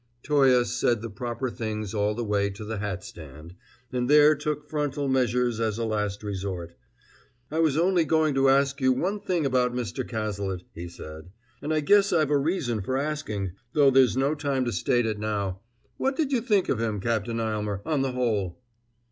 Toye said the proper things all the way to the hat stand, and there took frontal measures as a last resort. "I was only going to ask you one thing about Mr. Cazalet," he said, "and I guess I've a reason for asking, though there's no time to state it now. What did you think of him, Captain Aylmer, on the whole?"